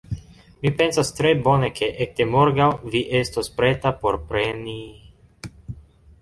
Mi pensas tre bone ke ekde morgaŭ, vi estos preta por preni...